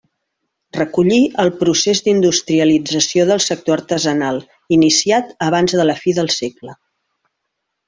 Recollí el procés d'industrialització del sector artesanal, iniciat abans de la fi del segle.